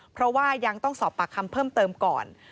เพราะว่ายังต้องสอบปากคำเพิ่มเติมก่อน